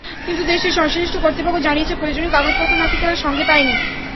কিন্তু দেশটির সংশ্লিষ্ট কর্তৃপক্ষ জানিয়েছে, প্রয়োজনীয় কাগজপত্র নাকি তারা সঙ্গে পায়নি।